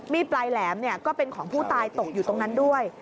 ปลายแหลมก็เป็นของผู้ตายตกอยู่ตรงนั้นด้วย